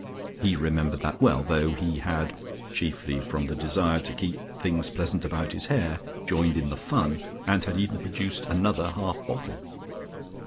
He remembered that well, though he had chiefly from the desire to keep things pleasant about his hair joined in "the fun," and had even produced another half bottle.